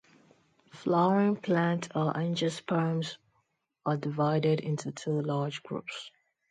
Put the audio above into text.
Flowering plants or angiosperms are divided into two large groups.